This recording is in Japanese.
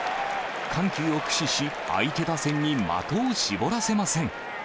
緩急を駆使し、相手打線に的を絞らせません。